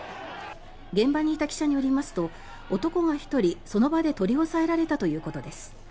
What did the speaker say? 現場にいた記者によりますと男が１人その場で取り押さえられたということです。